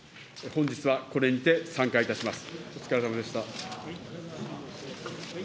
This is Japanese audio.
本日はこれにて散会いたします。